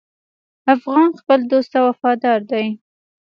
افغان خپل دوست ته وفادار دی.